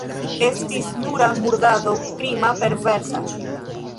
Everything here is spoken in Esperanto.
Estis nura murdado, krima, perversa.